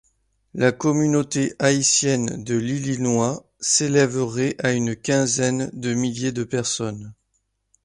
La communauté haïtienne de l'Illinois s'élèverait à une quinzaine de milliers de personnes.